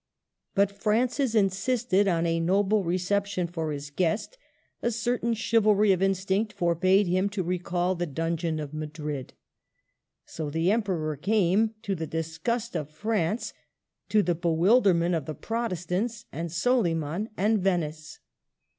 But Francis insisted on a noble reception for his guest; a certain chivalry of instinct forbade him to recall the dungeon of Madrid. So the Emperor came, to the disgust of France, to the bewilderment of the Protestants, and Soliman, and Venice.